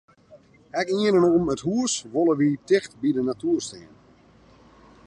Ek yn en om it hús wolle wy ticht by de natoer stean.